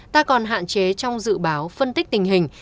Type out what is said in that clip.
ta còn hạn chế trong dự báo phân tích tình hình